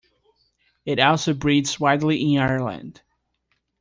It also breeds widely in Ireland.